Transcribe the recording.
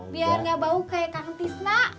biar gak bau kayak kantis nak